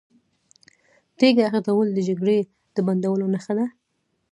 تیږه ایښودل د جګړې د بندولو نښه ده.